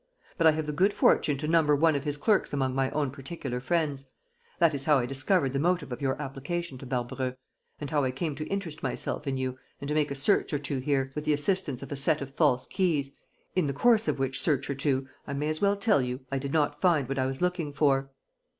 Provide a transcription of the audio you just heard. But I have the good fortune to number one of his clerks among my own particular friends. That is how I discovered the motive of your application to Barbareux and how I came to interest myself in you and to make a search or two here, with the assistance of a set of false keys ... in the course of which search or two, I may as well tell you, I did not find what I was looking for."